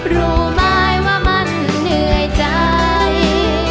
รู้ไหมว่ามันเหนื่อยใจ